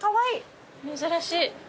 珍しい。